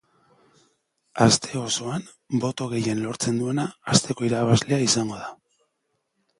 Aste osoan boto gehien lortzen duena asteko irabazlea izango da.